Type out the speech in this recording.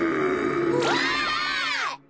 うわ！